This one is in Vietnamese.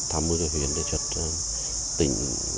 thăm mưu cho huyện đề xuất tỉnh